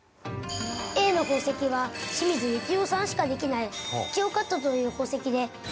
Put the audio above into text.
Ａの宝石は清水幸雄さんしかできない桔梗カットという宝石で１００万円です。